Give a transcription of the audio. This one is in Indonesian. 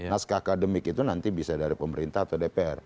naskah akademik itu nanti bisa dari pemerintah atau dpr